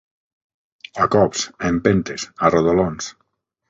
A cops, a empentes, a rodolons